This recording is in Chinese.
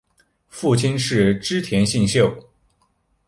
父亲是织田信秀。